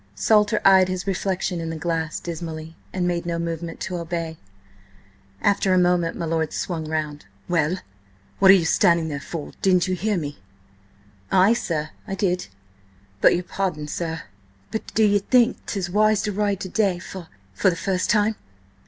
Salter eyed his reflection in the glass dismally, and made no movement to obey. After a moment my lord swung round. "Well! What are you standing there for? Didn't you hear me?" "Ay, sir, I did, but–your pardon, sir–but do ye think 'tis wise to ride to day for–for the first time?"